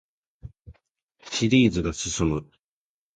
シリーズが進む